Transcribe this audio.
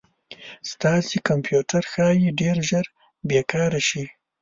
ستاسې کمپیوټر ښایي ډير ژر بې کاره شي